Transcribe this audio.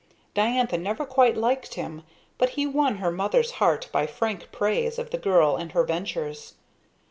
Diantha never quite liked him, but he won her mother's heart by frank praise of the girl and her ventures.